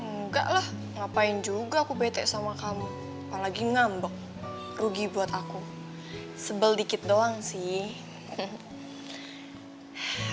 enggak lah ngapain juga aku bete sama kamu apalagi ngambok rugi buat aku sebel dikit doang sih